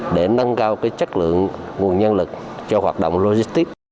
để nâng cao chất lượng nguồn nhân lực cho hoạt động logistics